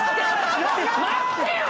待ってよ！